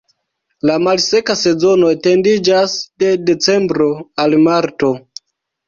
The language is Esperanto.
La malseka sezono etendiĝas de decembro al marto.